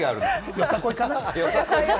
よさこいかな？